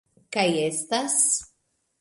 Kaj estas